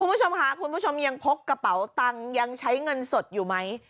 คุณผู้ชมค่ะคุณผู้ชมยังพกกระเป๋าตังค์ยังใช้เงินสดอยู่ไหม